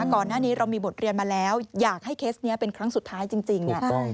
ก่อนหน้านี้เรามีบทเรียนมาแล้วอยากให้เคสนี้เป็นครั้งสุดท้ายจริง